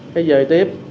cái về tiếp